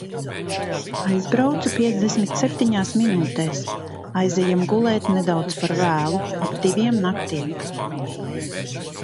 Aizbraucu piecdesmit septiņās minūtēs. Aizejam gulēt nedaudz par vēlu - ap diviem naktī.